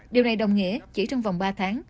điều này đồng nghĩa chỉ trong vòng ba tháng